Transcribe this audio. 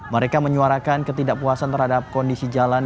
mereka menyuarakan ketidakpuasan terhadap kondisi jalan